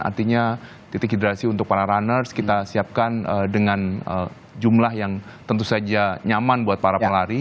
artinya titik hidrasi untuk para runners kita siapkan dengan jumlah yang tentu saja nyaman buat para pelari